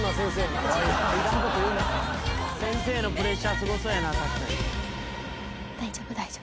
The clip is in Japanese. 先生のプレッシャーすごそうやな。